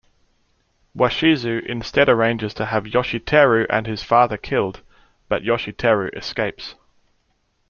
Washizu instead arranges to have Yoshiteru and his father killed, but Yoshiteru escapes.